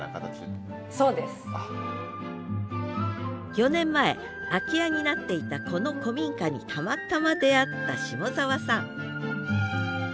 ４年前空き家になっていたこの古民家にたまたま出会った下沢さん